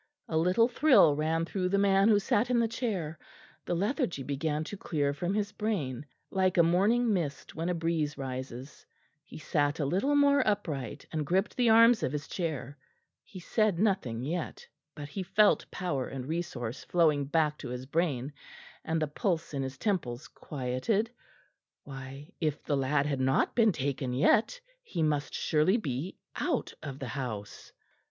A little thrill ran through the man who sat in the chair; the lethargy began to clear from his brain, like a morning mist when a breeze rises; he sat a little more upright and gripped the arms of his chair; he said nothing yet, but he felt power and resource flowing back to his brain, and the pulse in his temples quieted. Why, if the lad had not been taken yet, he must surely be out of the house.